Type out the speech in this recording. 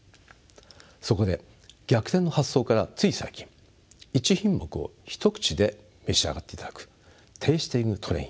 そこで逆転の発想からつい最近１品目を一口で召し上がっていただくＴａｓｔｉｎｇＴｒａｉｎ